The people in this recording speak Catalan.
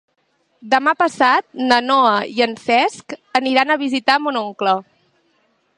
Demà passat na Noa i en Cesc aniran a visitar mon oncle.